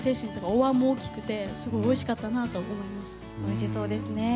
おわんも大きくてすごいおいしかったなと思います。